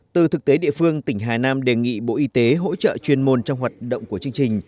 từ thực tế địa phương tỉnh hà nam đề nghị bộ y tế hỗ trợ chuyên môn trong hoạt động của chương trình